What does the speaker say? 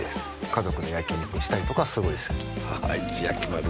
家族で焼き肉したりとかすごい好きあいつやきまる